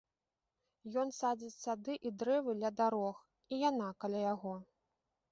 Ён садзіць сады і дрэвы ля дарог, і яна каля яго.